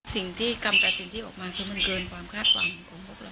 สิ่งที่กำกับสิ่งที่ออกมาคือมันเกินความคาดหวังของพวกเรา